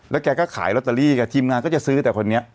แกก็ขายลอตเตอรี่แกทีมงานก็จะซื้อแต่คนนี้